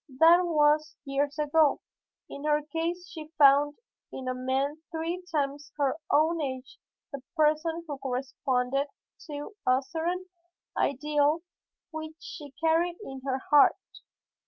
That was years ago. In her case she found in a man three times her own age the person who corresponded to a certain ideal which she carried in her heart.